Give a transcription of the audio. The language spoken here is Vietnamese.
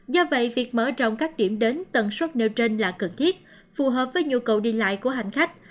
do vậy việc mở rộng các điểm đến tần suất nêu trên là cần thiết phù hợp với nhu cầu đi lại của hành khách